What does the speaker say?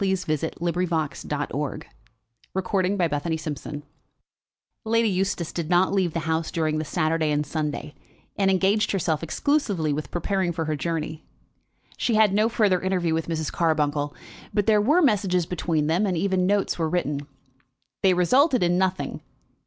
CHAPTER LXXV Lord George Gives His Reasons Lady Eustace did not leave the house during the Saturday and Sunday, and engaged herself exclusively with preparing for her journey. She had no further interview with Mrs. Carbuncle, but there were messages between them, and even notes were written. They resulted in nothing.